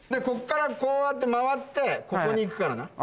こっからこうやって回ってここに行くからな。